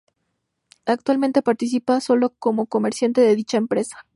Actualmente participa sólo como comerciante de dicha empresa.